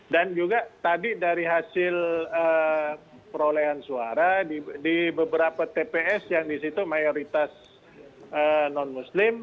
dan juga tadi dari hasil perolehan suara di beberapa tps yang disitu mayoritas non muslim